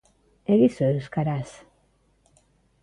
Egizu euskaraz.